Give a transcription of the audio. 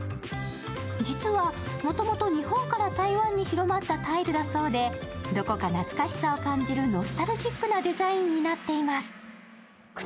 実は、もともと日本から台湾に広まったタイルだそうで、どこか懐かしさを感じるノスタルジックなデザインになっています。